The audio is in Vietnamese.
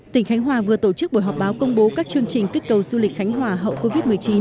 tỉnh khánh hòa vừa tổ chức buổi họp báo công bố các chương trình kích cầu du lịch khánh hòa hậu covid một mươi chín